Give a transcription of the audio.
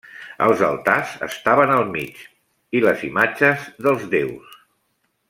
Els altars estaven al mig, i les imatges dels déus.